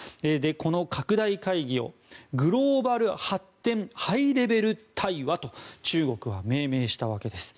この拡大会議をグローバル発展ハイレベル対話と中国は命名したわけです。